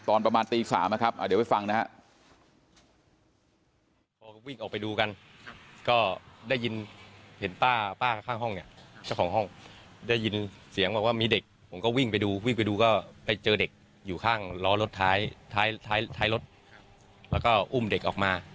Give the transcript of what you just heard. ออกไปดูกันก็ได้ยินเห็นป้าข้างห้องเนี่ยเจ้าของห้องได้ยินเสียงว่ามีเด็กผมก็วิ่งไปดูวิ่งไปดูก็ไปเจอเด็กอยู่ข้างล้อรถท้ายรถแล้วก็อุ้มเด็กออกมา